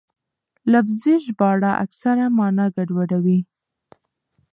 لفظي ژباړه اکثره مانا ګډوډوي.